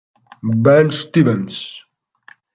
Ben Stephens